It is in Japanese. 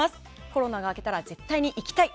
コロナが明けたら絶対に行きたい。